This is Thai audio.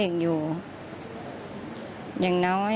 ค่ะ